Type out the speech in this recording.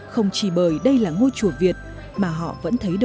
không chỉ bởi đây là ngôi chùa việt mà họ vẫn thấy đầu đỏ